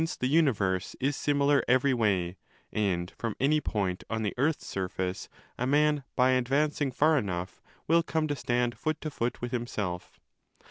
1 8085 the universe is similar every way, and from any point on 20 the earth's surface a man by advancing far enough will come to stand foot to foot with himself.